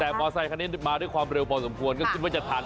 แต่มอเตอร์ไซค์คนนี้มาด้วยความเร็วพอสมควรก็คือไม่จะทัน